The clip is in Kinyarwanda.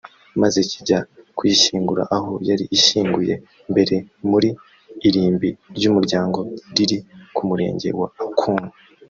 maze kijya kuyishyungura aho yari ishyinguye mbere muri irimbi ry’umuryango riri ku murenge wa Qunu